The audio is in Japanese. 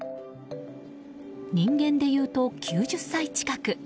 人間でいうと９０歳近く。